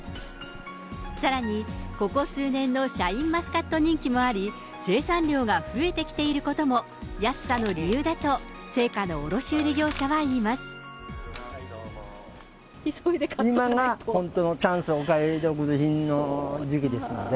さらに、ここ数年のシャインマスカット人気もあり、生産量が増えてきていることも安さの理由だと青果の卸売業者はい今が本当のチャンス、お買い得品の時期ですので。